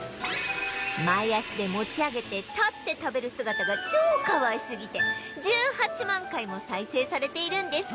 前脚で持ち上げて立って食べる姿が超かわいすぎて１８万回も再生されているんです